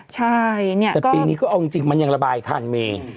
ใช่เนี่ยแต่ปีนี้ก็เอาจริงมันยังระบายทันเม